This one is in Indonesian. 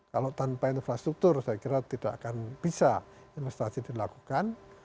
kalau tanpa infrastruktur saya kira tidak akan bisa investasi dilakukan